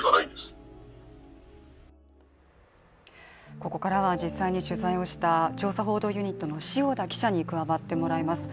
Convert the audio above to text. ここからは、実際に取材をした調査報道ユニットの塩田記者に加わってもらいます。